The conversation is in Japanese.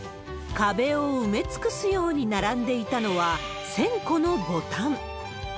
壁を埋め尽くすように並んでいたのは、１０００個のボタン。